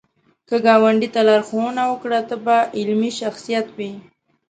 که ګاونډي ته لارښوونه وکړه، ته به علمي شخصیت وې